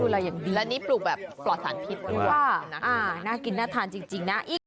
แล้วนี้ปลูกแบบปลอดสารพิษน่ากินน่าทานจริงนะ